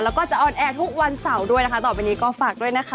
แล้วก็จะออนแอร์ทุกวันเสาร์ด้วยนะคะต่อไปนี้ก็ฝากด้วยนะคะ